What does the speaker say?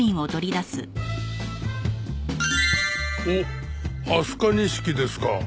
おっ飛鳥錦ですか。